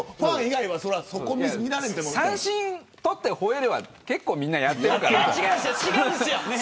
三振を取ってほえるは結構みんなやってる。